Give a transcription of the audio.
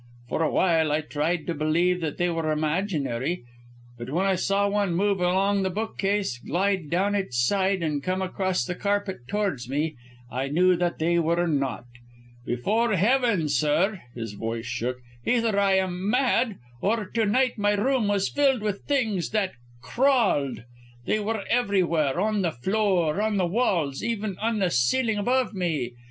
For awhile I tried to believe that they were imaginary, but when I saw one move along the bookcase, glide down its side, and come across the carpet, towards me, I knew that they were not. Before heaven, sir" his voice shook "either I am mad, or to night my room was filled with things that crawled! They were everywhere; on the floor, on the walls, even on the ceiling above me!